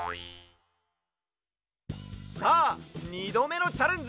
さあ２どめのチャレンジ！